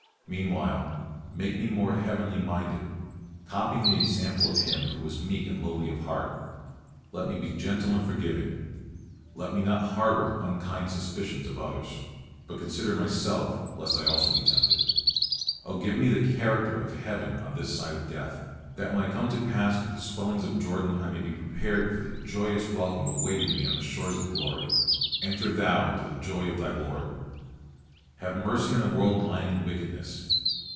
Meanwhile, make me more heavenly minded, copying the example of Him who was meek and lowly in heart. Let me be gentle and forgiving, let me not harbor unkind suspicions of others, but consider myself, lest I also be tempted. O give me the character of Heaven on this side of death, that when I come to pass through the swellings of Jordan I may be prepared for the joyous welcome awaiting me on the shores of glory, "Enter thou into the joy of thy Lord!" Have mercy on a world lying in wickedness!